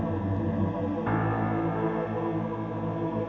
saya terus ber medicinal